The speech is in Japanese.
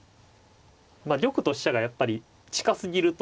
玉と飛車がやっぱり近すぎると。